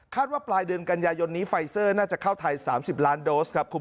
ว่าปลายเดือนกันยายนนี้ไฟเซอร์น่าจะเข้าไทย๓๐ล้านโดสครับ